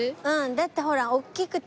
だってほら大きくて。